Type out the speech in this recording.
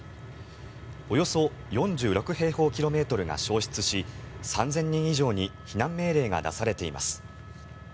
およそ４６平方キロメートルが焼失し３０００人以上に避難命令が出されています。